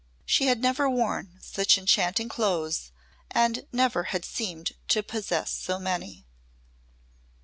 She had never worn such enchanting clothes and never had seemed to possess so many.